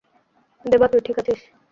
দেবা, তুই ঠিক আছিস?